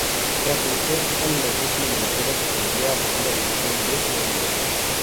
Tras vencer en las dos eliminatorias ascendió a segunda división B nuevamente.